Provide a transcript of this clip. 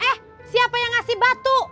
eh siapa yang ngasih batu